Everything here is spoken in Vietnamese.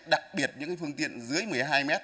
đặc biệt những cái phương tiện dưới một mươi hai mét